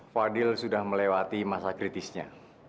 fadil sudah melewati masa kritisnya